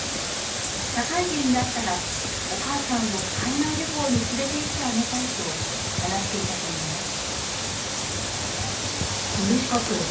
社会人になったらお母さんを海外旅行に連れて行ってあげたいと話していたといいます。